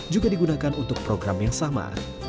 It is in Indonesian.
juga digunakan untuk program yang sama